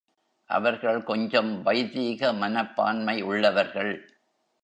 அவர்கள் கொஞ்சம் வைதீக மனப்பான்மை உள்ளவர்கள்.